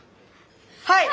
はい！